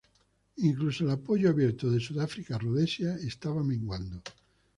Incluso el apoyo abierto de Sudáfrica a Rhodesia estaba menguando.